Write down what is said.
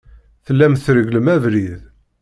Tellam tregglem abrid.